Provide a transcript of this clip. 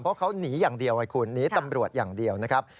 เพราะเขาหนีอย่างเดียวไงคุณหนีตำรวจอย่างเดียวนะครับ